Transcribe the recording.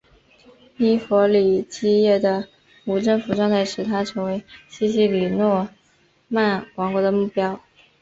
伊弗里基叶的无政府状态使它成为西西里诺曼王国的目标。